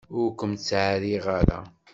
Ur kem-ttɛerriɣ ara.